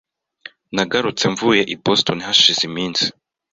Nagarutse mvuye i Boston hashize iminsi.